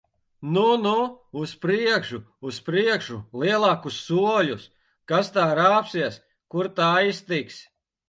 Nu, nu! Uz priekšu! Uz priekšu! Lielākus soļus! Kas tā rāpsies! Kur ta aiztiks!